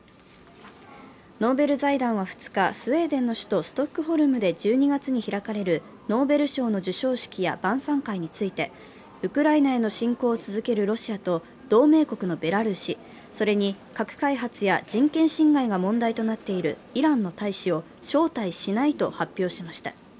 ノーベル財団は２日、スウェーデンの首都ストックホルムで１２月に開かれるノーベル賞の授賞式や晩さん会についてウクライナへの侵攻を続けるロシアと同盟国のベラルーシ、それに核開発や人権侵害が問題となっているイランの大使を招待しないと発表しました。